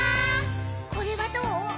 「これはどう？」